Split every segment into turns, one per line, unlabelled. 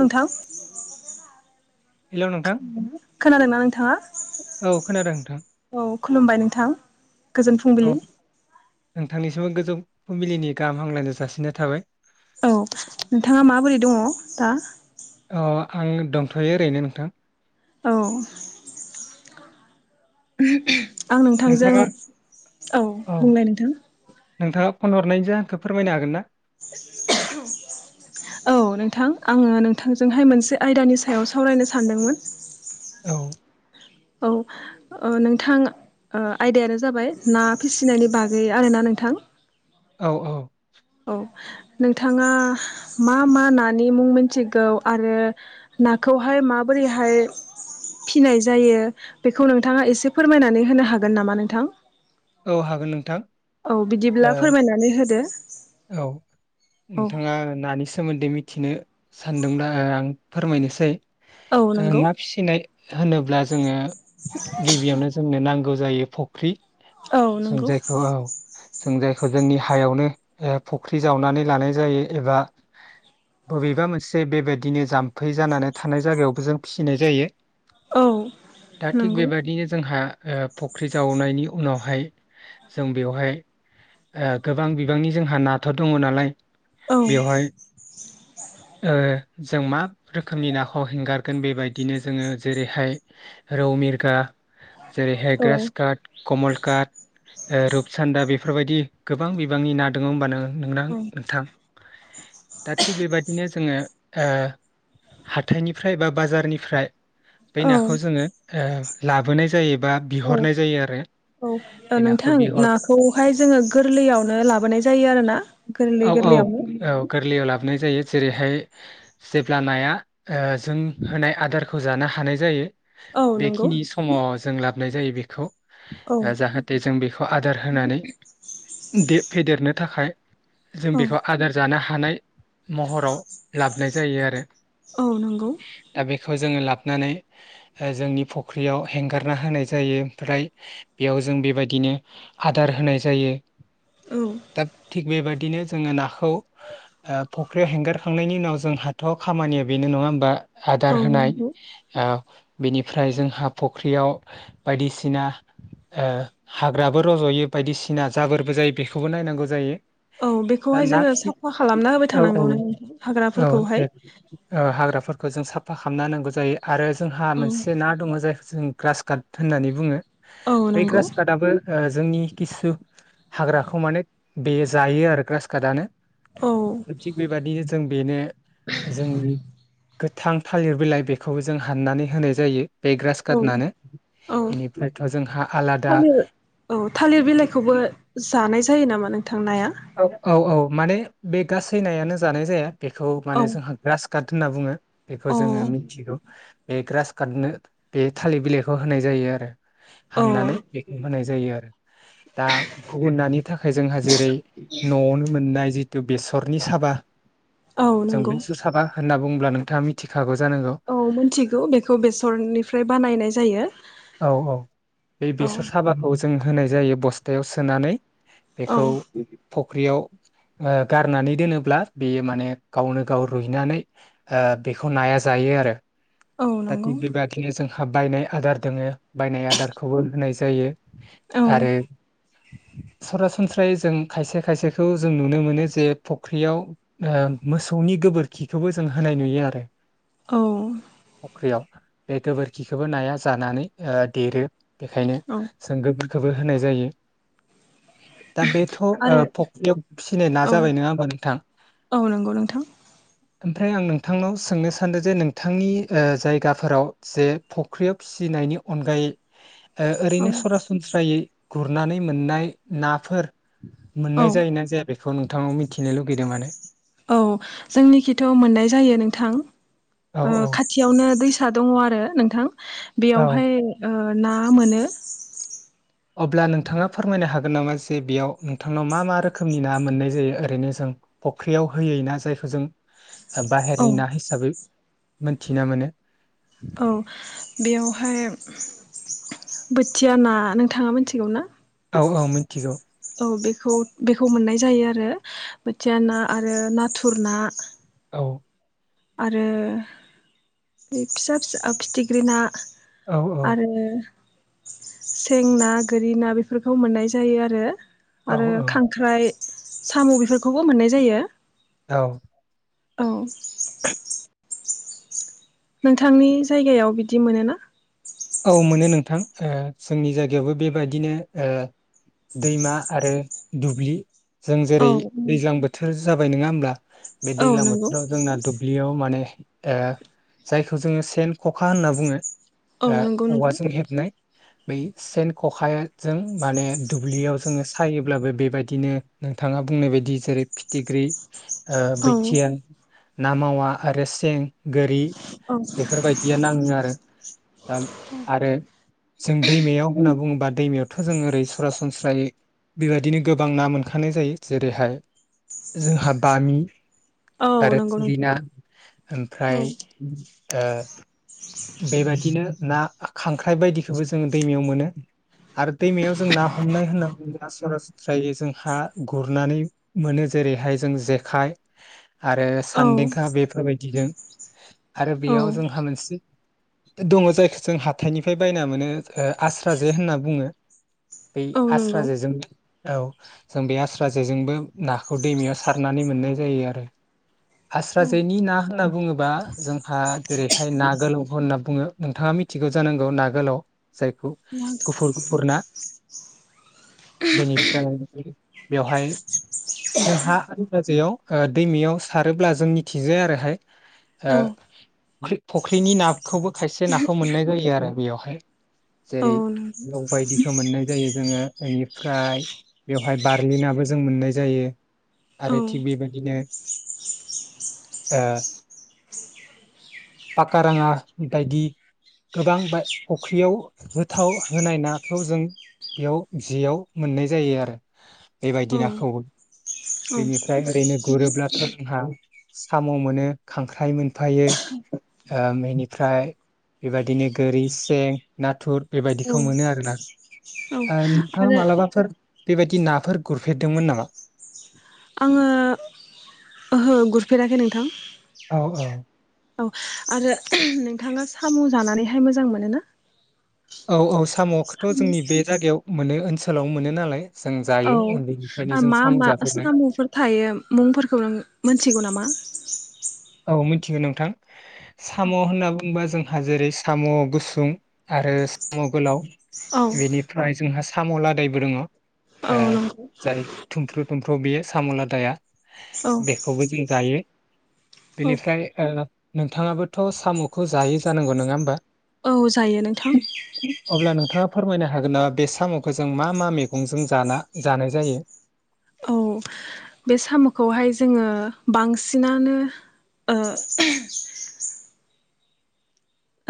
नोंथां
हेल' नोंथां
खोनादोंना नोंथाङा
औ खोनादों नोंथां
औ खुलुमबाय नोंथां गोजोन फुंबिलि ।
थ गोजौ फुंबिलिनि गाहाम हामलायनाय जासिनाय थाबाय ।
औ नोंथाङा माबोरै दङ? दा
अ आं दंथयो ओरैनो नोंथां ।
औ । आं नोंथांजों
नोंथाङा
औ बुंनाय नोंथां ।
नोंथाङा फन हरनाय जाखौ फोरमायनो हागोन ना?
औ नोंथां आङो नोंथांजोंहाय मोनसे आयदानि सायाव सावरायनो सानदोंमोन।
औ
औ ओ नोंथां आ आयदायानो जाबाय ना फिसिनायनि बागै आरोना नोंथां ।
औ औ ।
औ नोंथाङा मा मा नानि मुं मोनथिगौ आरो नाखौहाय माबोरैहाय फिनाय जायो बेखौ नोंथाङा एसे फोरमायनानै होनो हागोन नामा नोंथां?
थां
औ बिदिब्ला फोरमायनानै होदो औ ।
थिनो सानदोंब्ला आं फोरमायनोसै
औ
। थो
नंगौ
ना फिसिनाय होनोब्ला जोङो । गिबियावनो जोंनो नां औ जायो फख्रि
औ नंगौ
संजायखौ । जों जायखौ जोंनि हायावनो ओ फुख्रि जावनानै लानाय जायो एबा बबेबा मोनसे बेबायदिनो जाम फै जानानै थानाय जायगायावबो जों फिसिनाय जायो ।
औ
दा थिग
नंगौ
बेबायदिनो जोंहा ओ फख्रि जावनायनि उनाव फाय जों बेवहाय ओ गोबां बिबांनि जोंहा नाथुर दङ नालाय
औ
। बेवहाय ओ जों मा रोखोमनि नाखौ हेंगारगोन बेबायदिनो जोङो जेरैहाय रौ मिरगा । जेरैहाय
औ
ग्रास काट । कमल काथ । ओ रुप चान्दा बि बेफोरबायदि गोबां बिबांनि ना दङ होमबा नों नोंनां
औ
नोंथां दा थिग बेबादिनो जोङो ओ हाथाइनिफ्राय बा बाजारनिफ्राय बे नाखौ जोङो ओ लाबोनाय जायो बा
औ
बिहरनाय जायो आरो
औ
बे नाखौ
नोंथां
बिहर
नाखौहाय जोङो गोरलैयावनो लाबोनाय जायो आरो ना
औ
गोरलै
औ
गोरलैयावनो।
औ गोरलैयाव लाबोनाय जायो जेरैहाय जेब्ला नाया जों होनाय आदारखौ जानो हानाय जायो।
औ नंगौ
बेखिनि समाव जों लाबोनाय जायो बेखौ।
औ
जाहाथे जों बेखौ आदार होनानै फेदेरनो थाखाय जों
औ
बेखौ आदार जानो हा हानाय महराव लाबनाय जायो आरो
औ नंगौ
दा बेखौ खौ जोङो लाबानै जोंनि फख्रियाव हेंगारना होनाय जायो ओमफ्राय बेयाव जों बेबायदिनो आदार होनाय जायो।
औ
दा थिग बेबायदिनो जोङो नाखौ फख्रियाव हेंगारखांनायनि उनाव जोंहाथ' खामानिया बेनो नङा होमबा। आदार
औ
होनाय
नंगौ
ओ बेनिफ्राय जोंहा फुख्रियाव बायदिसिना ओ हाग्राबो रज'यो बायदिसिना जाबोरबो जायो बेखौबो नायनांगौ जायो।
औ
दा
बेखौहाय
ना
जोङो
फिसि
साफा खालामना होबाय
औ औ
थानांगौ
औ
हाग्राफोरखौहाय।
फा खालामना नांगौ जायो। आरो जोंहा
औ
मोनसे ना दङ जाय जों ग्रास काट होननानै बुङो।
औ
बे
नंगौ
ग्रास काटाबबो ओ जोंनि खिसु हाग्राखौ माने बेयो जायो आरो ग्रास काटानो।
औ
थिग बेबादिनो जों बेनो जोंनि गोथां थालिर बिलाइ बेखौबो जों हाननानै होनाय जायो। बे ग्रास
औ
काटनानो
औ
बेनिफ्रायथ' जोंहा आलादा
थालिर औ थालिर बिलाइखौबो जानाय जायो नामा नों
औ औ औ। माने बे गासैनायानो जानाय जाया। बेखौ
औ
माने जोंहा ग्रास काट होनना बुङो। बेखौ
औ
जोङो मिथिगौ। बे ग्रास काटनो बे थालिर बिलाइखौ होनाय जायो आरो।
औ
हाननानै बेखौ होनाय जायो आरो दा गुबुन नानि थाखाय जोंहा जेरै न'आवनो मोन नाय जिथु बेसरनि साबा
औ
जों
नंगौ
बिसुर साबा होनना बुंब्ला नोंथाङा मिथि-
औ मिथिगौ बेखौ बेसरनिफ्राय बानायनाय जायो।
औ औ बे
औ
बेसर साबाखौ जों होनाय जायो बस्थायाव सोनानै
औ
बेखौ फुख्रियाव गारनानै दोनोब्ला बेयो माने गावनो गाव रुइनानै बेखौ नाया जायो आरो
औ नंगौ
[unintelligible] बायनाय आदार दोङो बायनाय आदारखौबो होनाय जायो
औ
आरो सरासनस्रायै जों खायसे खायसेखौ जों नुनो मोनो जे फख्रियाव मोसौनि गोबोरखिखौबो जों होनाय नुयो आरो
औ
फख्रियाव बे गोबोरखिखौबो नाया- जानानै देरो बेखायनो
औ
जों गोबोर- खौबो होनाय जायो। दा बेथ'
आरो
फुख्रियाव फिसिनाय ना
औ
जाबाय नङा होमबा नोंथां
औ नंगौ नोंथां
ओमफ्राय आं नोंथांनाव सोंनो सानदों जे नोंथांनि जायगाफोराव जे फुख्रिआव फिसिनायनि अनगायै
औ
ओरैनो सरासनस्रायै गुरनानै मोननाय नाफोर
औ
मोननाय जायोना जाया बेखौ नोंथांनाव मिथिनो लुगैदों माने
औ जोंनिखिथ' मोननाय जायो नोंथां
औ औ
खाथियावनो दैसा दङ आरो नोंथां
औ
बेयावहाय ना मोनो।
अब्ला नोंथाङा फोरमायनो हागोन नामा जे बेयाव नोंथांनाव मा मा रोखोमनि ना मोननाय जायो ओरैनो जों फख्रियाव होयै ना जायखौ जों
औ
बाहेरनि ना हिसाबै मोनथिना मोनो।
औ बेयावहाय बोथिया ना नोंथाङा मिथिगौ ना?
औ औ मोन
औ बेखौ बेखौ मोननाय जायो आरो बोथिया ना आरो नाथुर ना
औ
आरो बे फिसा फिसा फिथिख्रि ना,
औ औ
आरो सें ना, गोरि ना बेफोरखौ मोननाय जायो आरो।
औ
आरो
औ
खांख्राइ, साम' बेफोरखौबो मोननाय जायो।
औ
औ नोंथांनि जायगायाव बिदि मोनो ना?
औ मोनो नोंथां जोंनि जायगायावबो बेबायदिनो दैमा आरो दुब्लि जों
औ
जेरै दैज्लां बोथोर जाबाय नङा होमब्ला? बे
औ
दैलां
नंगौ
बोथोराव जोंना दुब्लियाव माने जायखौ जोङो सेन खखा होनना बुङो।
औ नंगौ
औवाजों
नोंथां
हेबनाय बै सेन खखाजों माने दुब्लियाव जोङो सायोब्लाबो बेबायदिनो नोंथाङा बुंनाय बायदि जेरै फिथिख्रि,
औ
बैथिया, ना मावा आरो सें, गोरि
औ
बेफोरबायदियानो नाङो। [inaudible] दा आरो जों दैमायाव होनना बुङोबा दैमायावथ' जों ओरै सरासनस्रायै बेबायदिनो गोबां ना मोनखानाय जायो जेरैहाय जोंहा बामि
औ
आरो
नंगौ नोंथां
थुरिना
औ
ओमफ्राय बेबायदिनो ना खांख्राइ बायदिखौबो जों दैमायाव मोनो आरो दैमायाव जों ना हमनाय होनना बुङोब्ला सरासनस्रायै जोंहा गुरनानै मोनो जेरैहाय जों जेखाइ आरो
औ
सान्देंखा बेफोरबायदिजों आरो
औ
बेयाव जोंहा मोनसे दङ जायखौ जों हाथायनिफ्राय बायना मोनो आस्रा जे होनना बुङो। बै
औ नंगौ
आस्राजे जों औ जों बे आस्रा जेजोंबो नाखौ दैमायाव सारनानै मोननाय जायो आरो। आस्रा जेनि ना होनना बुङोबा जोंहा जेरैहाय ना गोलाव होनना बुङो नोंथाङा मिथिगौ जानांगौ ना गोलाव जायखौ गुफुर गुफुर ना बेनिफ्राय बेवहाय जोंहा आस्रा जेयाव दैमायाव सारोब्ला जों मिथिंजाया आरोहाय
औ औ
फुख्रिनि नाखौबो खायसे नाखौ मोननाय जायो आरो बेयावहाय जेरै लौ
[unintelligible]
बायदिखौ मोननाय जायो जोङो बेनिफ्राय बेवहाय बारलिनाबो जों मोननाय जायो
औ
आरो थिग बेबायदिनो ओ पाका राङा बायदि गोबां बा फख्रियाव गोथाव होनाय नाखौ जों बेयाव जियाव मोननाय जायो आरो
औ
बेबायदि नाखौबो बेनिफ्राय ओरैनो गुरोब्ला थ जोंहा सामु मोनो खांख्राइ मोनफायो ओ बेनिफ्राय बेबायदिनो गोरि सें नाथुर
औ
बेबायदिखौ मोनो
औ
आरोना
आरो
मालाबाफोर बेबायदि नाफोर गुरफेरदोंमोन नामा
आंङो ओहो गुरफेराखै नोंथां
औ औ
औ आरो नोंथांङा सामु जानानैहाय मोजां मोनो ना
औ औ साम खौथ जोंनि बे जागायाव मोनो ओनसो लाव मोनो नालाय जों जायो उन्दैनिफ्रायनो
औ
जों
मा
साम'
मा
जाफेरनाय
सामुफोर थायो मुंफोरखौ नों मोनथिगौ नामा
औ मिथिगो नोंथां सामु होनना बुंङोबा जोंहा जेरै सामु गुसुं आरो सामु गोलाव
औ
बेनिफ्राय जोंहा सामु लादायबो दङ ओ
औ नंगौ
जाय थुमफ्रुद थुम्फु बेयो सामु लादाया
औ
बेखौबो जों जायो
औ
बेनिफ्राय ओ नोंथाङाबोथ सामुखौ जायै जानांगौ नोङा होमबा
औ जायो नोंथां
अब्ला नोंथाङा फोरमायनो हागोन नामा बे सामखौ जों मा मा मैगंजों जाना जानाय जायो
औ बे सामुखौहाय जोंङो बांसिनानो ओ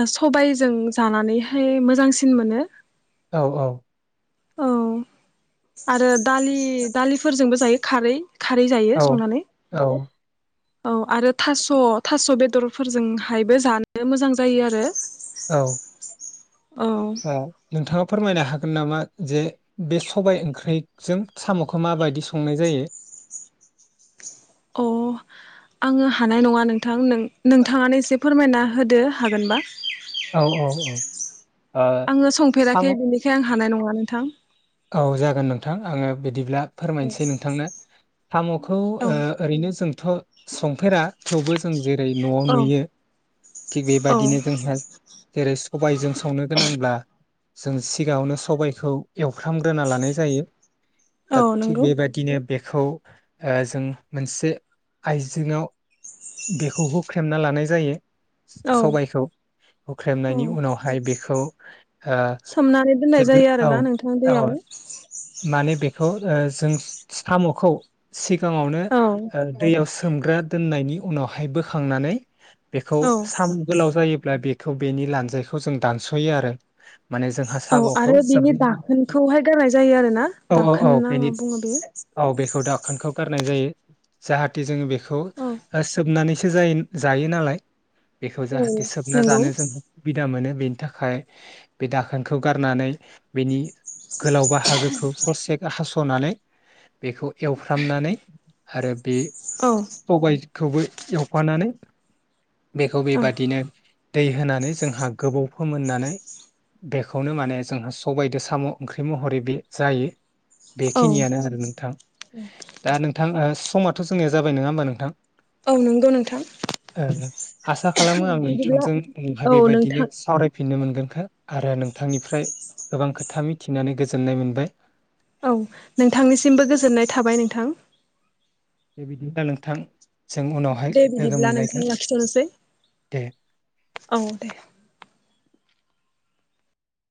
ओ सबायजों जानानैहाय मोजांसिन मोनो
औ औ
औ आरो दालि दालिफोरजोंबो जायो खारै खारै जायो
औ
संनानै
औ
औ आरो थास थास बे बेदरफोरजों हायबो जानो मोजां जायो आरो
औ
औ
ओ नोंथांङा फोरमायनो हागोन नामा जे बे सबाय ओंख्रिजों सामुखो माबायदि संनाय जायो
अ आंङो हानाय नङा नोंथां नों नोंथांङानो एसे फोरमायना होदो हागोनबा
औ औ औ ओ
आंङो
साम'
संफेराखै बिनिखाय आं हानाय नों थां
औ जागोन नोंथां आङो बिदिब्ला फोरमायनोसै नोंथांनो साम'खौ
औ
ओ ओरैनो जों थ संफेरा थेवबो जों जेरै न'आव
औ
नुयो थिग
औ
बेबायदिनो जोंहा जेरै सबायजों संनो गोनांब्ला जों सिगाङावनो सबायखौ एव फ्राम ग्रोना लानाय जायो
औ
दा थिक
नंगौ
बेबायदिनो बेखौ ओ जों मोनसे आइजेंङाव बेखौ हुख्रेमना लानाय जायो
औ
सबायखौ
औ
हुख्रेमनायनि उनावहाय ओ बेखौ
सोमनानै दोननाय
जे
जायो आरोना नोंथां
औ
दैयाव
खौ ओ जों साम'खौ सिग सिगाङावनो
औ
ओ दैयाव सोमग्रा दोननायनि उनावहाय बोखांनानै बेखौ
औ
साम गोलाव जायो ब्ला बेखौ बेनि लान्जायखौ जों दानस'यो आरो माने जोंहा
औ
साम'खौ
आरो बिनि दाखोनखौहाय गारनाय जायो आरोना
औ औ
दाखोन
औ
ना
बेनि
मा बुङो बेयो
औ बेखौ दाखोनखौ गारनाय जायो जाहाथे जोङो बे खौ
औ
ओ सोबनानै सो जायो जायो नालाय बेखौ
औ
जाहाथे सोबना
नंगौ
जानो जों सुबिदा मोनो बेनि थाखाय बे दाखोनखौ गारनानै बेनि गोलावबा ससे हास'नानै बेखौ एवफ्रामनानै आरो बे
औ
खौबो एवफानानै बेखौ
औ
बेबादिनो दै होनानै जोंहा गोबौ फोमोननानै बेखौनो माने जोंहा सबायजों साम' ओंख्रि महरै बे जायो
औ
बेखिनियानो आरो नोंथां दा नोंथां ओ समाथ' जोंनिया जाबाय नङा होमबा नोंथां?
औ नंगौ नोंथां।
ओ आसा खालामो आङो नोंथां
बिदिब्ला
जोंहाय
औ
बेबायदिनो
नोंथां।
सावरायफिननो मोनगोनखो। आरो नोंथांनिफ्राय गोबां खोथा मिथिनानै गोजोननाय मोन बाय।
औ नोंथांनिसिमबो गोजोननाय थाबाय नोंथां।
दे बिदिब्ला नोंथां। जों उनावहाय
दे
लोगो
बिदिब्ला
मोनलायगोन
नोंथां लाखिथ'नोसै
दे
[inaudible] औ दे।